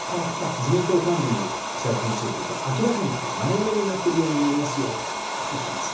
自民党幹部に記者が話を聞いたら明らかに前のめりになっているように見えますよと言っています。